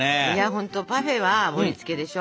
ほんとパフェは盛りつけでしょ？